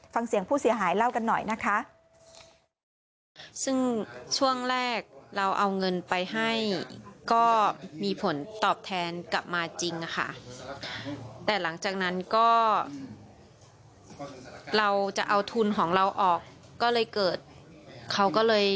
ฟังเสียงผู้เสียหายเล่ากันหน่อยนะคะ